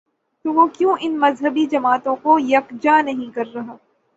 تو وہ کیوں ان مذہبی جماعتوں کو یک جا نہیں کر رہا؟